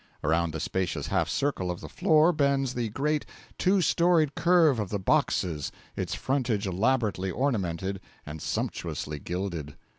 Around the spacious half circle of the floor bends the great two storied curve of the boxes, its frontage elaborately ornamented and sumptuously gilded.